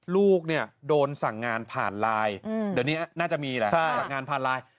ลูกเนี่ยโดนสั่งงานผ่านไลน์เดี๋ยวนี้น่าจะมีแหละสั่งงานผ่านไลน์